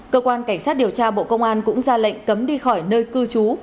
cơ quan cảnh sát điều tra bộ công an cũng ra lệnh cấm đi khỏi nơi cư trú